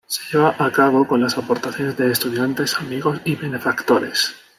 Se lleva a cabo con las aportaciones de estudiantes, amigos y benefactores.